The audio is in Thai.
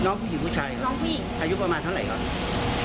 น้องผู้หญิงผู้ชายอายุประมาณเท่าไหร่ก่อน